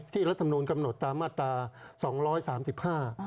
ที่รัฐมนูลกำหนดตามมาตร๒๓๕